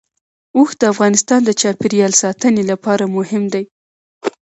اوښ د افغانستان د چاپیریال ساتنې لپاره مهم دي.